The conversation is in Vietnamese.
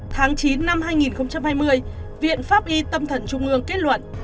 tháng chín năm hai nghìn hai mươi viện pháp y tâm thần trung ương kết luận